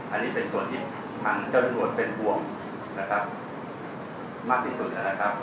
อันนี้เป็นส่วนที่มันเจ้าเรียนรวมเป็นภวมมากที่สุด